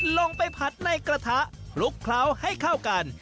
ลงไปผัดในกระทะคลุกเคล้าให้เข้ากัน